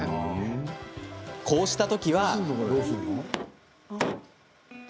こうしたときは。